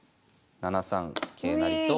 ７三桂成と。